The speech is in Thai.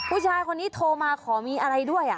ผู้ชายคนนี้โทรมาขอมีอะไรด้วย